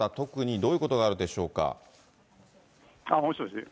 どういうことがあるんでしょうか？